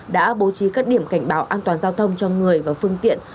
đã bố trí các điểm cảnh báo an toàn giao thông cho người và phương tiện